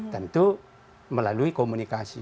tentu melalui komunikasi